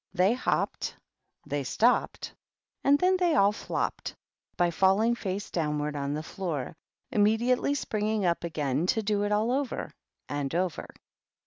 They hopped, thej stopped, and then they all flopped, by falling face downward on the floor, immediately spring ing up again to do it all over and over.